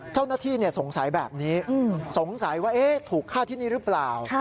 เจ้าหน้าที่สงสัยแบบนี้สงสัยว่าถูกฆ่าที่นี่หรือเปล่า